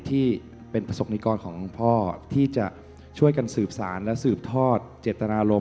ที่เป็นประสบนิกรของพ่อที่จะช่วยกันสืบสารและสืบทอดเจตนารมณ